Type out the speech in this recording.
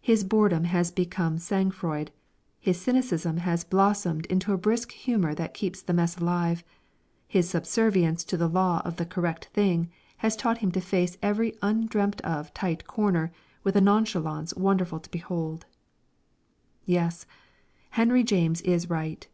His boredom has become sangfroid, his cynicism has blossomed into a brisk humour that keeps the mess alive, his subservience to the law of the "correct thing" has taught him to face every undreamt of tight corner with a nonchalance wonderful to behold. Yes, Henry James is right.